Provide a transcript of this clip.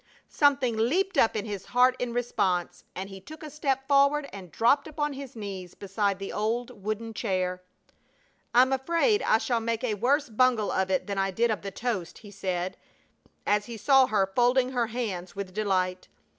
Something leaped up in his heart in response and he took a step forward and dropped upon his knees beside the old wooden chair. "I'm afraid I shall make a worse bungle of it than I did of the toast," he said, as he saw her folding her hands with delight.